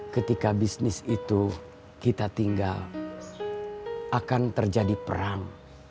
ketika bisnis itu kita tinggal akan terjadi perang